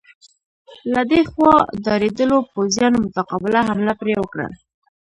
له دې خوا ډارېدلو پوځیانو متقابله حمله پرې وکړه.